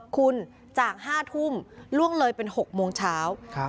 คุณจาก๕ทุ่มล่วงเลยเป็น๖โมงเช้า